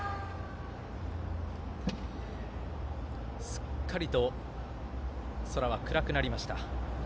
すっかりと空は暗くなりました。